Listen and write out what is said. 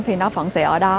thì nó vẫn sẽ ở đó